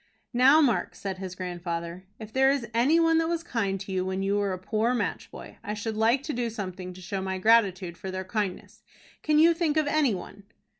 "Now, Mark," said his grandfather, "if there is any one that was kind to you when you were a poor match boy, I should like to do something to show my gratitude for their kindness. Can you think of any one?"